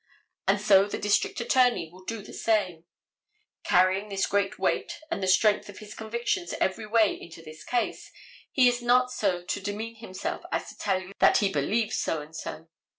And so the district attorney will do the same: carrying his great weight and the strength of his convictions every way into this case, he is not so to demean himself as to tell you that he believes so and so.